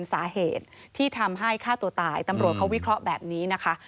สาเหตุที่ทำให้ฆ่าตัวตายตำรวจเขาวิเคราะห์แบบนี้นะคะ